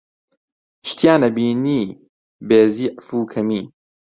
شتیان ئەبینی بێزیعف و کەمی